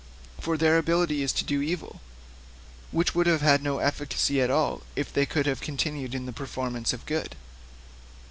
For their ability is to do evil, which would have had no efficacy at all if they could have continued in the performance of good.